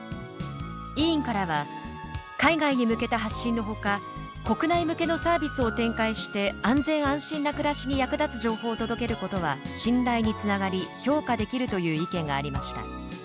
委員からは海外に向けた発信の他国内向けのサービスを展開して安全、安心な暮らしに役立つ情報を届けることは信頼につながり、評価できるという意見がありました。